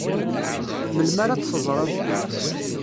Melmi ara t-teẓred?